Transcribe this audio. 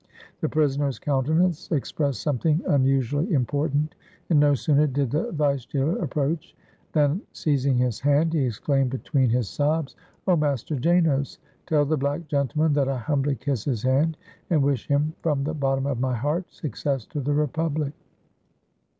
The prisoner's countenance expressed something un usually important, and no sooner did the vice jailer approach than, seizing his hand, he exclaimed between his sobs, "Oh, Master Janos, tell the black gentleman that I humbly kiss his hand, and wish him from the bottom of my heart, 'Success to the Republic!'